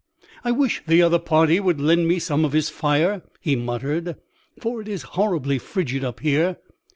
"I wish the other party would lend me some of his fire," he muttered, "for it is horribly frigid up here."